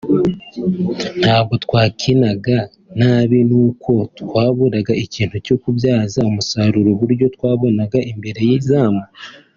ntabwo twakinaga nabi nuko twaburaga ikintu cyo kubyaza umusaruro uburyo twabonaga imbere y’izamu